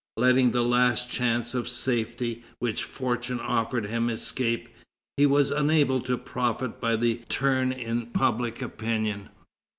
Letting the last chance of safety which fortune offered him escape, he was unable to profit by the turn in public opinion.